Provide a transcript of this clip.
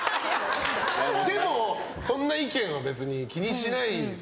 でもそんな意見は別に気にしないですよね？